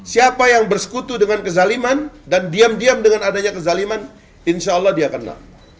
siapa yang bersekutu dengan kezaliman dan diam diam dengan adanya kezaliman insya allah dia kena